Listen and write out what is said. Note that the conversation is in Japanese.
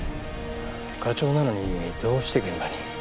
課長なのにどうして現場に？